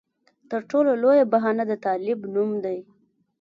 تر ټولو لویه بهانه د طالب نوم دی.